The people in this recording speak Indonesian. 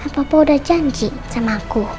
papa udah janji sama aku